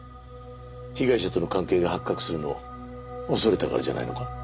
被害者との関係が発覚するのを恐れたからじゃないのか？